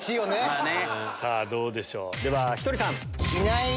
さぁどうでしょう。